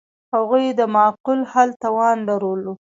هغوی د معقول حل توان لرلو.